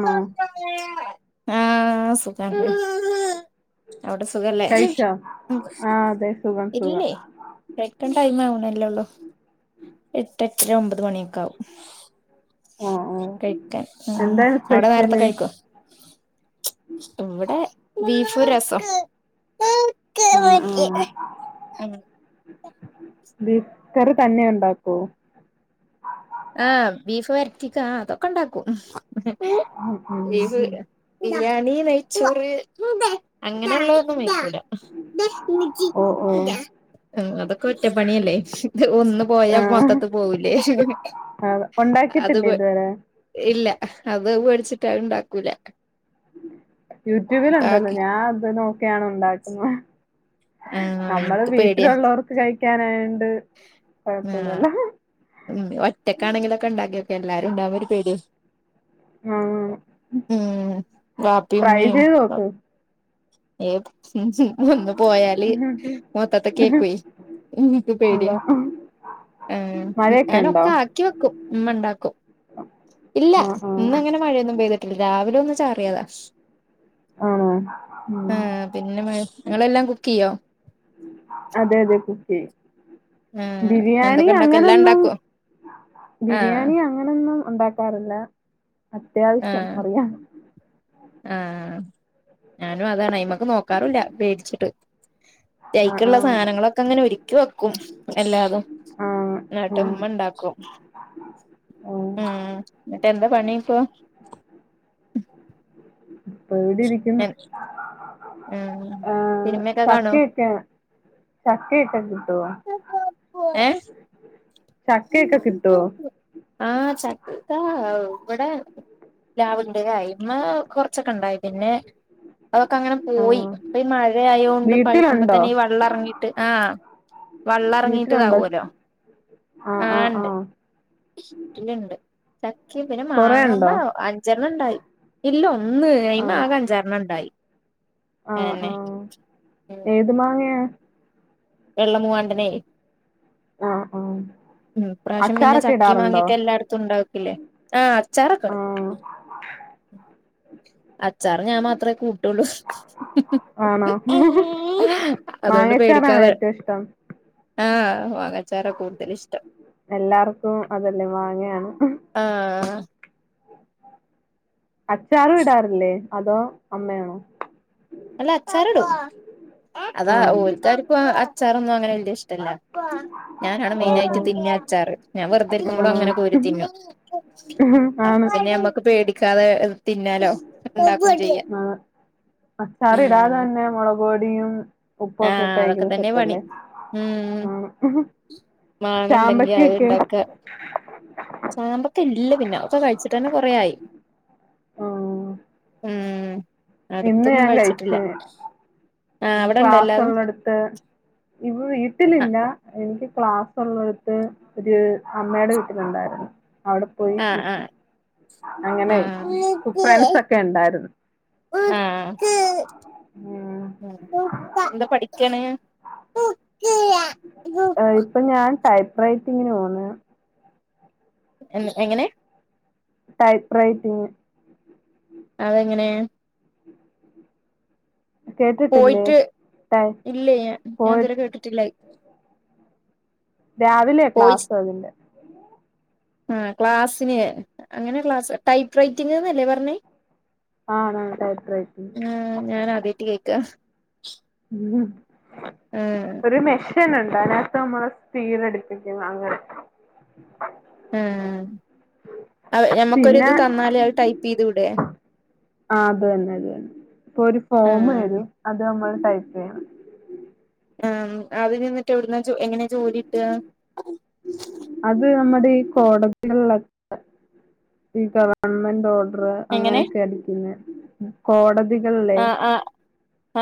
ആഹ് ആഹ് സുഖാണ് അവിടെ സുഖല്ലേ കഴിച്ചോ ആ അതെ സുഖം സുഖം കെട്ക്കാൻ ടൈം ആവുണല്ലൊള്ളൂ എട്ടെട്ടര ഒമ്പത് മണിയൊക്കാവും ഓ ഓ കഴിക്കാൻ ഉം എന്താണ് അവിടെ നേരത്തെ സ്പെഷ്യല് കഴിക്കോ ഇവിടെ ബീഫും രസും ആ ബീഫ്കറി തന്നെ ഉണ്ടാക്കോ ആഹ് ബീഫ് വര്ട്ടിക്കാ ആഹ് അതൊക്കെണ്ടാക്കും ആഹ് ഉം ഉം ബീഫ് ഉം ബിരിയാണി നെയ്ച്ചൂറ് അങ്ങനെയുള്ളതൊന്നും ഓ ഓ [unintelligible] ല അഹ് അതൊക്കെ ഒറ്റപ്പണിയല്ലേ ത്‌ ഒന്ന് പോയാ മൊത്തത്ത് പോവൂലേ അഹ് അത് ഒണ്ടാക്കിയിട്ടില്ലേ ഇതുവരെ ഇല്ല അത് പേടിച്ചിട്ടാ അഹ്ണ്ടാക്കൂല യൂട്യൂബിലുണ്ടല്ലോ ഞാൻ അത് നോക്കിയാണ് ഉണ്ടാക്കുന്നെ ആഹ് നമ്മള് ഇൻക്ക് പേടിയാ വീട്ടിലുള്ളവർക്ക് കഴിക്കാനായോണ്ട് ആഹ് കൊഴപ്പഇല്ലല്ലോ ഉം ഒറ്റക്കാണെങ്കിലൊക്കെ ണ്ടാക്കിയോക്ക എല്ലാരുംണ്ടാവുമ്പൊരു പേടിയാ ആ ഉം വിപ്പി ഉമ്മീം ഓക്കെ നോക്കും ഏഹ് ഒന്ന് പോയാല് മൊത്തത്ത് കേക്കുവേ എന്ക്ക് പേടിയ അതാ ആഹ് മഴയൊക്കെ ഉണ്ടോ ഞാനൊക്കെ ആക്കി വെക്കും ഇമ്മ ഇണ്ടാക്കും. ഇല്ല ആഹ് ഇന്ന് അങ്ങനെ ആഹ് മഴയൊന്നും പെയ്തിട്ട് ല്ല രാവിലെ ഒന്ന് ചാറിയെതാ ആണോ? ഉം ആഹ് പിന്നെ മഴ ഇങ്ങളെല്ലാം കുക്ക് ചെയ്യോ? അതെ അതെ കുക്കെയ്യും ആഹ് ബിരിയാണി എന്തൊക്കെ ഇണ്ടാക്കും എല്ലാം അങ്ങനൊന്നും ഇണ്ടാക്കോ ആഹ് ബിരിയാണി അങ്ങ നെന്നും ഒണ്ടാക്കാറില്ല അത്യാവിശ്യം ആഹ് അറിയാം ആഹ് ഞാനും അതാണ് ഐമക്ക് നോക്കാറുല്ല പേടിച്ചിട്ട് പക്ഷേ ആഹ് അയ്ക്ക്ള്ള ആഹ് സാധനങ്ങളൊക്കെ ഇങ്ങനെ ഒരുക്കി വെക്കും എല്ലാതും ആഹ് ഇന്നെട്ട് ആഹ് ഇമ്മണ്ടാക്കും ആഹ് ഉം ഇന്ന്ട്ട് എന്താ പണിയിപ്പൊ? ഇപ്പൊ ഇവിടെയിരിക്ക്ന്ന് ഉം ഏഹ് സിനിമയൊക്കെ കാണോ ചക്കയെക്കെ ചക്കയെക്കെ കിട്ടുവോ? ചക്കയെക്കെ കി ആഹ് ചക്ക ഇവടെ പ്ലാവ്ണ്ട് അയ്മെ കൊറച്ചൊക്കെ ഇണ്ടായി പിന്നെ അതൊക്കെ അങ്ങനെ പോയി ആഹ് ഇപ്പൊ ഈ മഴ ആയോണ്ട് പഴുക്കുമ്പോ വീട്ടിലുണ്ടോ തന്നെ ഈ വെള്ളം എറങ്ങിയിട്ട് ആഹ് വീട്ടിലുണ്ടോ? ആഹ് ആഹ് ആഹ് വീട്ടില്ണ്ട് ചക്കിം പിന്നെ കൊറേ ഉണ്ടോ മാങ്ങമ്മെ അഞ്ചെണ്ണം ഇണ്ടായി ഇല്ല ഒന്ന് അയ്മെ ആഹ് ആകെ അഞ്ചാറണ്ണണ്ടായി അതന്നെ എന്ത് മാങ്ങയാ? വെള്ള മൂവാണ്ടെനേ ആഹ് ആഹ് ഇപ്രാവിശ്യം പിന്നെ അച്ചാറൊക്കെ ചക്കിം ഇടാറുണ്ടോ? മാങ്ങിയൊക്കെ എല്ലായിടത്തും ഉണ്ടാക്കില്ലേ ആഹ് അച്ചാറൊക്കെ ഇടും ആഹ് അച്ചാറ് ഞാൻ മാത്രേ കൂട്ടൊള്ളൂ ആണോ? അതുകൊണ്ട് മാങ്ങ അച്ചാറാണോ പേടിക്കാതെ ഏറ്റുയിഷ്ടം? ആഹ് മാങ്ങച്ചാ എല്ലാർക്കും അതല്ലേ മാങ്ങയാണ് ആഹ് അച്ചാറും ഇടാറില്ലേ അതോ അമ്മയാണോ? അല്ല അച്ചാറ്ടും അതാ ആഹ് ഓല്ക്കാർകും അച്ചാറൊന്നും അങ്ങനെ വല്ല്യ ഇഷ്ട്ടല്ല. ഞാനാണ് ഓഹ് മെയിനായിട്ട് ഓഹ് തിന്ന അച്ചാറ് ഞാൻ വെറുതെയിരിക്കുമ്പളും ആണോ അങ്ങനെ കോരി തിന്നും. അപ്പൊ ആണ് പിന്നെ ഞമ്മക്ക് പേടിക്കാതെ തിന്നാലോ ഇണ്ടാക്കും ചെയ്യാ ആണ് അച്ചാറിടാതെ തന്നെ മൊളക്പൊടിയും.. ഉപ്പൊക്കെ ഇട്ട് ആഹ് അതൊക്കെ കഴിക്കുന്നെ തന്നെ പണി സെറ്റല്ലേ? ഉം മാങ്ങണ്ടെങ്കി അത് ഇണ്ടാക്ക ചാമ്പക്ക ഇല്ല പിന്നെ ഒക്കെ കഴിച്ചിട്ടന്നെ കൊറെയായി. ആഹ് ഉം ഇന്ന് അടുത്തൊന്നും ഞാൻ കഴിച്ചിട്ടില്ല. കഴിച്ച് ആഹ് അവിടെണ്ടോ എല്ലാതും? ഇവടെ ആ വീട്ടിലില്ല എനിക്ക് ക്ലാസുള്ളടുത്ത് ഒരു അമ്മയുടെ വീട്ടിലുണ്ടായിരുന്നു അവിടെ പോ ആ ആ പോയി ആ അങ്ങനെ കഴിക്കും ഫ്രണ്ട്സൊക്കെ ഒണ്ടായിരുന്നു ഉം. എന്താ പഠിക്കാണ് ഇപ്പ ഞാൻ ടൈപ്പ് റൈറ്റിങ്ങിന് പോണ്. എങ്ങ് എങ്ങനെ? ടൈപ്പറൈറ്റിങ്. അതെങ്ങനെ? കേട്ടിട്ടില്ലേ പോയിട്ട് ടൈ ഇല്ലെ ഞാൻ പോയിട്ട് ഇതരെ കേട്ടിട്ടില്ല അഹ് രാവിലെ പോയി ക്ലാസ് അതിന്റെ ആ ക്ലാസ്സിന് അങ്ങനെ ക്ലാസ്സ് ടൈപ്പ് റൈറ്റിംഗന്നല്ലേ പറഞ്ഞെ. ആണ് ടൈപ്പ് റൈറ്റിങ് ആഹ ഞൻ ആദ്യയിട്ട് കേക്ക ഉം ആ ഉണ്ട് അതിനകത്ത് നമ്മള് സ്റ്റീൽടിപ്പിക്കുന്നു അങ്ങനെ ഉ ഞമ്മക്കൊരിത് പിന്നെ തന്നാല് അത് ടൈപ്പ് യ്ത് വിടെ ആ അത് തന്നെ അത് തന്നെ ഇപ്പൊ ഒരു ആഹ് ഫോംമരും അത് നമ്മൾ ടൈപ്പെയ്യണം ആ അതിന് നിന്നിട്ട് എവിടുന്ന എങ്ങനെയാ ജോലിട്ടാ. അത് നമ്മടെ ഈ കോടതികളിലൊക്കെ ഈ ഗവൺമെന്റ് ഓ.. എങ്ങനെ അങ്ങനെയൊക്കെ അടിക്കന്ന് കോടതികളല്ലേ. ആഹ് ആഹ്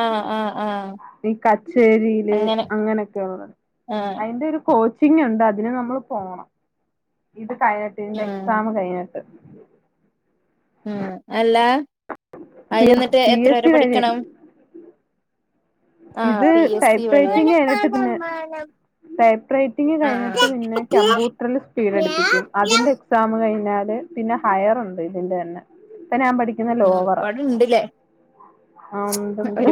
ആഹ് ആഹ് ആഹ് ഈ കച്ചേരിയില് അങ്ങനെ അങ്ങനെക്കെള്ള ആഹ് അയിന്റെ ഒരു കോച്ച.. ച്ചിങ്ങണ്ട് അതിന് നമ്മൾ പോണം ഇത് കഴിഞ്ഞിട്ട് ഇതിന്റെ ഉം എക്സാം കഴിഞ്ഞിട്ട് ഉം അല്ല അയ് നിന്നിട്ട് പി എത്ര എസ് വരെ സി വഴി പഠിക്കണം. ആഹ് ഇത് പി എസ് സി ടൈപ്പ് വഴി റൈറ്റിംഗ കഴിഞ്ഞിട്ട് പിന്നെ. ടൈപ്പ് ററ്റിംഗ് കഴിഞ്ഞിട്ട് പിന്നെ കമ്പ്യൂട്ടറിൽ സ്പീഡടുപ്പിക്കും അതിന്റെ.. എക്സാം കഴിഞ്ഞാല് പിന്നെ ഹയർുണ്ട് ഇതിന്റെന്നെ പിന്നെ ഞാൻ പഠിക്ക.. ആഹ് ലോവറാ ഒരുപാടുണ്ട്ല്ലേ ആഹ ഉണ്ട്ണ്ട്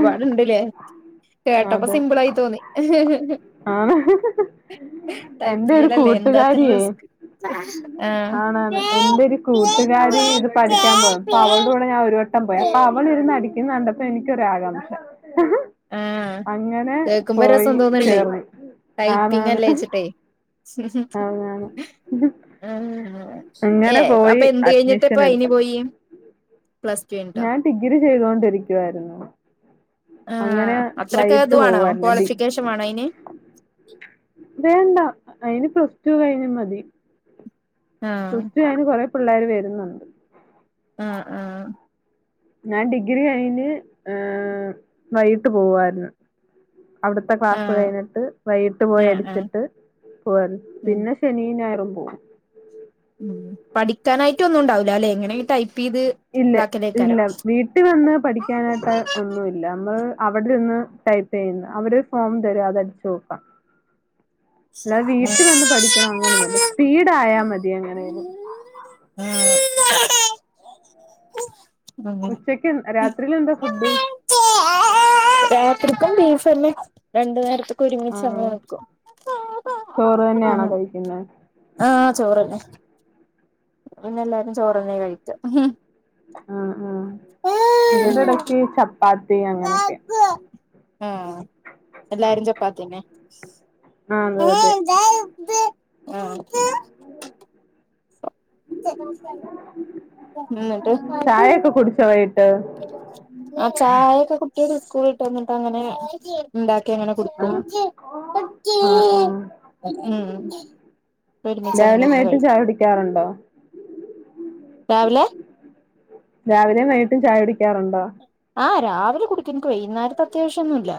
കേട്ടപ്പ സിമ്പിളായി തോന്നി ആഹ ഐ എന്റെ പി ഒരു എൽ അല്ലേ എന്താത്ര കൂട്ടുകാരിയേ റിസ്ക് ആഹ് ആണാണ് എന്റെ ഒരു.. കൂട്ടുകാരി ഇത് പഠിക്കാൻ പോയും അപ്പൊ അവളുടെ കൂടെ ഞാൻ ഒരു.. ഇൻ പോ അപ്പൊ അവളൊരു ന്നടിക്കുന്നു കണ്ടപ്പോ എനിക്കൊരാകാംക്ഷ ആഹ് അങ്ങനെ കേക്കുമ്പോ പോയി രസം തോന്ന്ണ്ട് ചേർന്ന് ആണാണ് ആണാണ് ആഹ ഏ അങ്ങനെ ഹ പോയി അപ്പ എന്ത് കഴിഞ്ഞിട്ട് അഡ്മിഷൻ ഇപ്പ അയിന് എടുത്ത് പോയി പ്ലസ് ടു കയിഞ്ഞിട്ടോ ഞാൻ ഡിഗ്രി ചെയ്തൊണ്ടിരിക്കുവായിരുന്നു അങ്ങനെ ആഹ് അത്രക്കെ വൈകിട്ട് ഇത് വാണോ പോവുയിരുന്ന ഡീ ക്വാളിഫിക്കേഷൻ വാണോ അയിന് വേണ്ട അയ്ന് പ്ലസ് റ്റു കഴിഞ്ഞ മതി ആഹ് പ്ലസ് ടു കഴിഞ്ഞ കൊറെ പിള്ളേർ വരുന്നുണ്ട് ആഹ ആഹ ഞാൻ ഡിഗ്രി കഴിഞ്ഞ് വൈകിട്ട് പോകുവായിരുന്നു അവിടുത്തെ ക്ലാസ് ആഹ് കഴിഞ്ഞിട്ട് വൈകിട്ട് പോയി ആഹ് ആഹ് അടിച്ചിട്ട് പോവായിരുന്നു ഉം പിന്നെ ശനി ഞായറും പോകും ഉ പഠിക്കാനായിട്ട് ഒന്നും ഉണ്ടാവില്ല അല്ലെ എങ്ങനെങ്ക ടൈപ്പ് ചെയ്ത് ഇതാക്കലേക്കാരം കുട്ടി വന്ന് പഠിക്കാനായിട്ട് ഒന്നുമില്ല നമ്മൾ അവിടെ നിന്ന് ടൈപ്പ് ചെയ്യുന്നു അവര് ഫോം തരും അത് സോഫ അല്ലാെ വീട്ടിൽ വന്ന് പഠിക്കണം അങ്ങനെ അങ്ങനൊന്നല്ല സ്പീഡ ആയാ മതി എങ്ങനെും ഉം ഉച്ചക്ക് രാത്രിയിലെന്താ ഫുഡ് [unintelligible] ബീഫല്ലെ രണ്ടു നേരത്ത്ക്ക് ആ ഒരുമിച്ചങ് വെക്കും ചോറ് തന്നെയാണോ കഴിക്കുന്നത് ആഹ് ചോറെന്നെ വടെ പിന്നെല്ലാരും ചോറെന്നെ കഴിക്ക ആ ആ പ്പാത്തി അങ്ങനെക്കെ ആഹ് എല്ലാരും ചപ്പാത്യെന്നെ ആ അതെ അതെ ആഹ് ന്ന്ട്ട് [unintelligible] ആ ചായൊക്കെ കുട്ട്യാള് സ്കൂള്ട്ട് വെന്ന്ട്ടങ്ങനെ ഇണ്ടാക്കി അങ്ങനെ ആ കുടിക്കും ആ ആ ഉം ഒരുമിച്ച് അങ്ങനെ രാവിലേം ഇരുന്ന് വൈകീട്ടും കഴിക്കും ചായുടിക്കാറുണ്ടോ രാവിലെ രാവിലേം വൈകീട്ടും ചായ കുടിക്കാറുണ്ടോ ആഹ് രാവിലെ കുടിക്കും ഇൻക്ക് വെയ്ന്നാരത്തെ അത്യാവശ്യോന്നുല്ല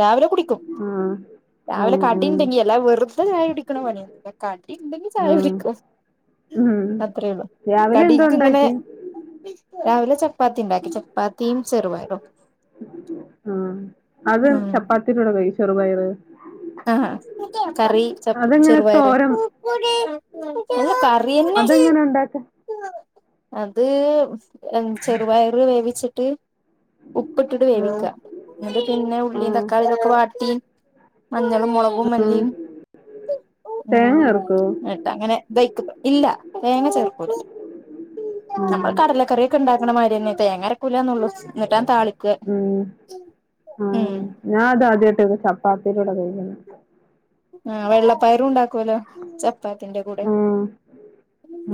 രാവിലെ കുടിക്കും ആ ആ രാവിലെ ആ കടിണ്ടെങ്കി അല്ലാതെ വെറ്തെ ചായ കുടിക്ക്ണ പണിയൊന്നുല്ല കടിണ്ടെങ്കി ചായ ആ കുടിക്കും ഉം അത്രേ ഉള്ളു രാവിലെ എന്തോ കടീക്ക്ങ്ങനെ ഉണ്ടാക്കി രാവിലെ ചപ്പാത്തി ണ്ടാക്കി ചപ്പാത്തീം ചെറുപയറും ആ അത് ഉം ചപ്പാത്തിടെ കൂടെ കയ് ചെറുപയറ് ആഹ് കറി ചപ് അതെങ്ങനെ ചെറുപയറ് തോരൻ അല്ല കറിയെന്നെ ണ്ടാക്കും അത് ചെറുപയറ് വേവിച്ചിട്ട് ഉപ്പ്ട്ട്ട്ട് ആഹ് വേവിക്ക ന്ന്ട്ട് പിന്നെ ഉള്ളീം ആഹ് തക്കാളീം ഇതൊക്കെ വാട്ടി മഞ്ഞളും മൊളകും ആഹ് മല്ലിം ഉം തേങ്ങ ചേർക്കോ ന്ന്ട്ടങ്ങനെ ഇതയ്ക്ക്ട ഇല്ല തേങ്ങ ചേർക്കൂല ഞമ്മള് ആഹ് കടലക്കറി ക്കെ ണ്ടാക്കണമാതിരിന്നെ തേങ്ങരക്കൂല്ലാന്നൊള്ളു ന്ന്ട്ടത് താളിക്ക ഉം ഉം ആഹ് ഞാൻ ത് ആദ്യായിട്ട ഇത് ചപ്പാത്തിയുടെ കൂടെ കഴിക്കുന്നെ ആഹ് വെള്ളപ്പയറും ണ്ടാക്കോലോ ചപ്പാത്തിന്റെ കൂടെ ആഹ്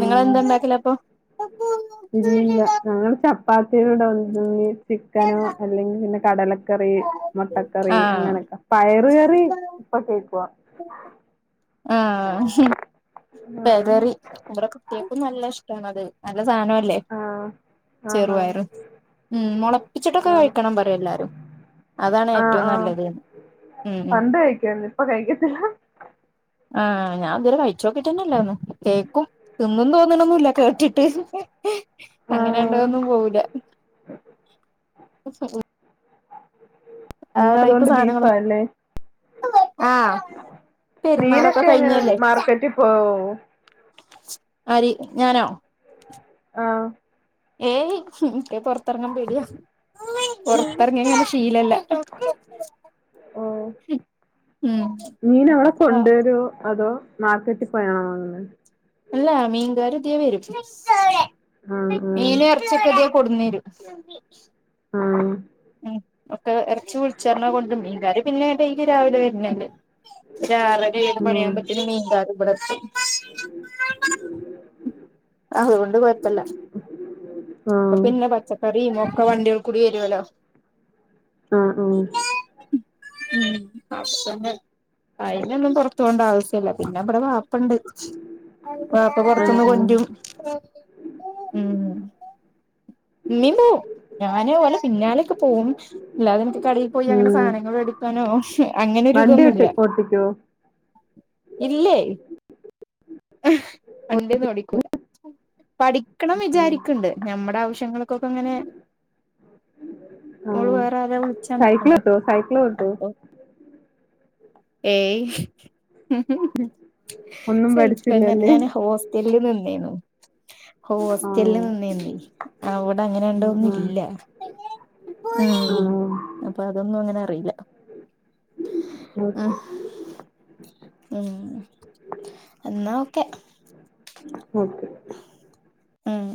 നിങ്ങളെന്താണ്ട ണ്ടാക്കലപ്പൊ ഇല്ലല്ല ഞങ്ങള് ചപ്പാത്തിടെ കൂടെ [unintelligible] ചിക്കനോ അല്ലെങ്കി പിന്നെ കടല കറി മുട്ടക്കറി ആഹ് അങ്ങനെയൊക്കെ പയറ് കറി ഇപ്പൊ കേക്ക്വ ആഹ് ആഹ് [unintelligible] ഇവടെക്കെ കുട്ട്യാക്കും നല്ല ഇഷ്ടാണത് നല്ല സാനും അല്ലേ ആഹ് ആണാണ് ചെറുപയറും ഉം മൊളപ്പിച്ചിട്ടൊക്കെ ആഹ് കഴിക്കണം പറയും എല്ലാരും അതാണ് ആഹ് ഏറ്റവും ആഹ് നല്ലത് ഉം ഉം പണ്ട് കഴിക്കുവായിരുന്നു ഇപ്പൊ കഴിക്കത്തില്ല ആഹ് ഞാൻ ഇതുവരെ കഴിച്ചോക്കീട്ടില്ലതൊന്നും കേക്കും തിന്നും തോന്ന്ണൊന്നുല്ല കേട്ടിട്ട് അങ്ങനെ ണ്ടതൊന്നും പോവൂല അ. [inaudible] ആ ഇന്ന് ടൈപ്പ് അതുകൊണ്ട് സാനങ്ങളും ബീഫാല്ലേ ആഹ്‌ പെരുന്നാളൊക്കെ മീനൊക്കെ എങ്ങനെ കഴിഞ്ഞതല്ലേ മാർക്കറ്റിൽ പോവോ ആര് ഞാനോ ആഹ് ഏയ് മ്ഹ് ഇപ്പ പൊറ ത്തെറങ്ങാൻ പേടിയാ പൊറത്തെറങ്ങിയങ്ങനെ ശീലല്ല ഓഹ് മ്ഹ് ഉം [unintelligible] കൊണ്ടരോ അതോ? മാർക്കറ്റിൽ പോയാണോ വാങ്ങുന്നെ അല്ല മീൻകാര് ഇതിയേ വരും മീന് എറ ച്ചിയൊക്കെ ഇതിയെ കൊടുന്നരും ആഹ് ഉം ഒക്കെ ഇറച്ചി വിളിച്ച് പറഞ്ഞാ കൊണ്ട് വരും മീൻകാര് പിന്നെ ഡെയ്‌ലി രാവിലെ വരുന്നേല്ലേ ഒര് ആറര ഏഴ് ആഹ് മണിയാകുമ്പത്തിന് മീൻകാര് ഇവിടെത്തും അതുകൊണ്ട് കൊഴപ്പല്ല ആഹ് ഇപ്പ പിന്നെ പച്ചക്കറിയും ഒക്കെ വണ്ടികളിൽ കൂടി വരൊല്ലോ ആഹ് ആഹ് മ്ഹ് അവിടെത്തന്നെ അയിനൊന്നും പൊറത്തു പോവേണ്ട ആവശ്യല്ല പിന്നെ ഇബ്ടെ വാപ്പണ്ട് വാപ്പ ആഹ് പൊറത്ത്ന്ന് ആഹ് കൊണ്ട് രും ഉം ഇമ്മേം പോവും ഞാന് ഓലെ പിന്നാലൊക്കെ പോവും അല്ലാതെ എനിക്ക് കടയിൽ പോയി അങ്ങനെ ഉം സാധനങ്ങള് വേടിക്കാനോ അങ്ങനെ ഒരു ഇതൊന്നുമില്ല കിട്ട്യോ ഇല്ലേ വണ്ടിയൊന്നും ഓടിക്കൂല പഠിക്കണം വി ചാരിക്ക്ണ്ട് നമ്മടെ ആവശ്യ ശ്യങ്ങൾക്കൊക്കെ ഇങ്ങനെ ഓള് ആഹ് വേറെ ആരേം വിളിച്ചാൻ നിക്കണ്ടേ സൈക്കിളോട്ടോ സൈക്കിളോട്ടോ അപ്പോ ഏയ് ഒന്നും സഹിക്കന്നേ പഠിച്ചില്ലല്ലേ ഞാന് ഹോസ് റ്റലിൽ നിന്നേർന്നു ഹോസ്റ്റലിൽ ആഹ് നിന്നേർന്നേ ആഹ് ഇവിടെ അങ്ങന ആ ഇണ്ടോന്നും ആ ഇല്ല ഉം അപ്പൊ അതൊന്നും അങ്ങനെ അറിയില്ല ഉം ഓക്കെ. ഉം എന്നാ ഓക്കെ ഓക്കെ മ്ഹ്